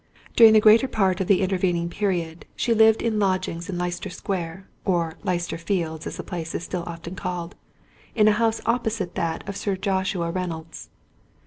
During the greater part of the intervening period she lived in lodgings in Leicester Square—or "Leicester Fields" as the place was still often called—in a house opposite that of Sir Joshua Reynolds.